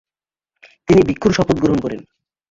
তিনি ভিক্ষুর শপথ গ্রহণ করেন।